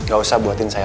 mas ini udah selesai